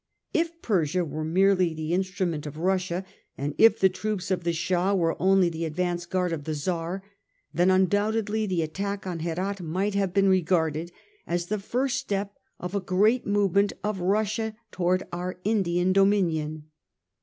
If Persia were merely the instrument of Russia, and if the troops of the Shah were only the ad vance guard of the Czar, then undoubtedly the attack on Herat might have been regarded as the first step of a great movement of Russia towards our Indian dominion.